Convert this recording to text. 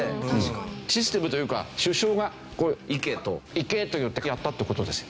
システムというか首相がいけと言ってやったって事ですよ。